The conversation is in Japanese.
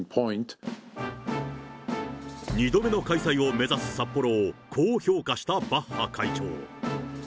２度目の開催を目指す札幌をこう評価したバッハ会長。